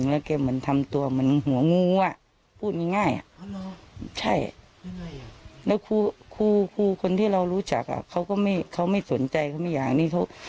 แล้วคู่คนที่เรารู้จักอ่ะเค้าก็ไม่สนใจเค้าไม่อยาก